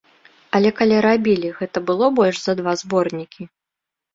Але калі рабілі, гэта было больш за два зборнікі?